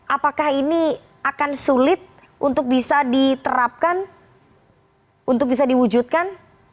apakah ini akan sulit untuk bisa diterapkan untuk bisa diwujudkan